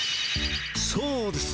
そうです！